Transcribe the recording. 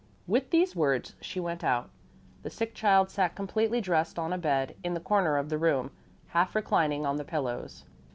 With these words she went out. The sick child sat completely dressed on a bed in the corner of the room, half reclining on the pillows.